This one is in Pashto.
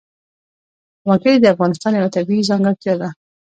وګړي د افغانستان یوه طبیعي ځانګړتیا ده.